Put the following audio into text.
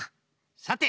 さて。